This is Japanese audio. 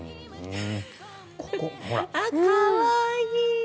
可愛い。